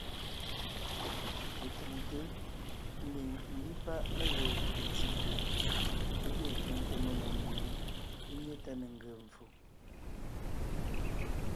Letáŋte ḿbiŋ ḿbí páʼ mé gee gÿo ntí gie e ge kẅiŋte mengwòŋ mie é nyé tá ne ńgee mvfò.